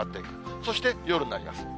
そして夜になります。